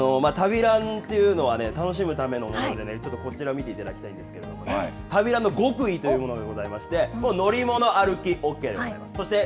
旅ランっていうのは、楽しむためのもので、ちょっと、こちらを見ていただきたいんですけれども、旅ランの極意というものがございまして、乗り物、歩きＯＫです。